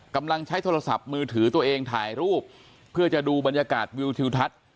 กำลังใช้โทรศัพท์มือถือตัวเองถ่ายรูปเพื่อจะดูบรรยากาศวิวทิวทัศน์